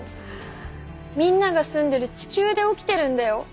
みんなが住んでる地球で起きてるんだよ？